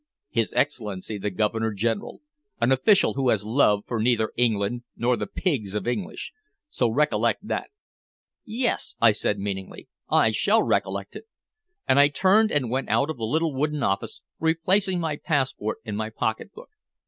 "His Excellency the Governor General, an official who has love for neither England nor the pigs of English. So recollect that." "Yes," I said meaningly, "I shall recollect it." And I turned and went out of the little wooden office, replacing my passport in my pocket book.